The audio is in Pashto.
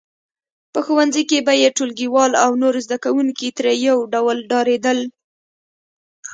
په ښوونځي کې به یې ټولګیوال او نور زده کوونکي ترې یو ډول ډارېدل